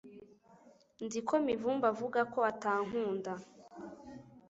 Nzi ko Mivumbi avuga ko atankunda